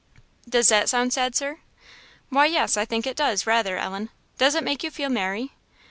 "Does that sound sad, Sir?" "Why yes,I think it does, rather, Ellen. Does it make you feel merry?"